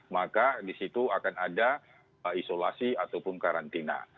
maka di situ akan ada isolasi ataupun karantina